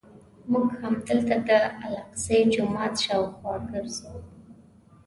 موږ همدلته د الاقصی جومات شاوخوا ګرځو.